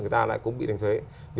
người ta lại cũng bị đánh thuế